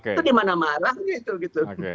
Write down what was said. itu di mana marah gitu